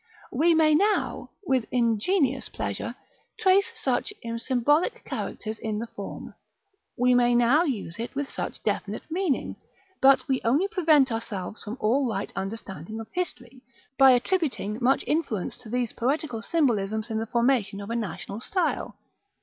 We may now, with ingenious pleasure, trace such symbolic characters in the form; we may now use it with such definite meaning; but we only prevent ourselves from all right understanding of history, by attributing much influence to these poetical symbolisms in the formation of a national style.